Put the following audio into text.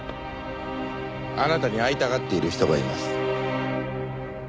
あなたに会いたがっている人がいます。